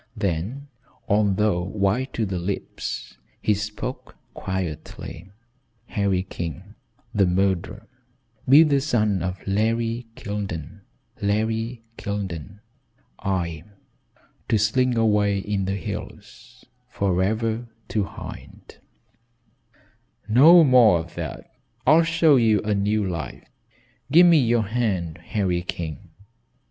Then although white to the lips, he spoke quietly: "Harry King the murderer be the son of Larry Kildene Larry Kildene I to slink away in the hills forever to hide " "No more of that. I'll show you a new life. Give me your hand, Harry King."